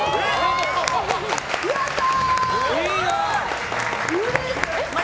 やったー！